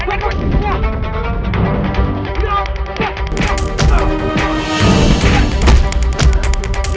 apak apa yang terjadi